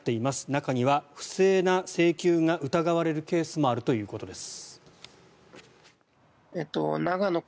中には不正な請求が疑われるケースもあるということです。